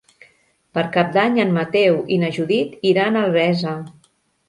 Per Cap d'Any en Mateu i na Judit iran a Albesa.